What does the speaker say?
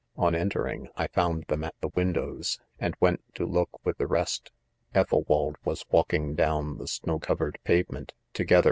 On entering, 1 found them at the windows, and went to look with the rest. Ethelwald was walking down the snow covered pavement, together.